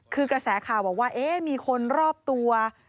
คือกระแสข่าวบอกว่ามีคนรอบตัว